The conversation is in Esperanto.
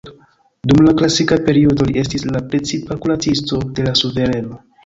Dum la klasika periodo li estis la precipa kuracisto de la suvereno.